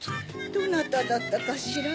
どなただったかしら？